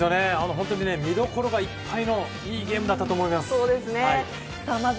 本当に見どころいっぱいのいいゲームだったと思います。